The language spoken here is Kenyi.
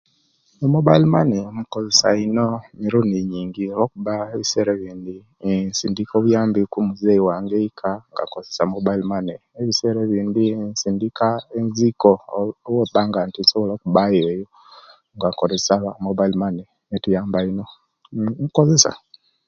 Mobail mane nkozesia ino mirundi nyingi olwokuba ebisera ebindi insindika obuyambi ku muzeyi wange eika nga nkozesia mobail mane ebisera ebindi isindika enziko owo obwobanga tisobola okubayo eyo nga nkozesia mobail mane etuyamba ino uuh uuh inkozesia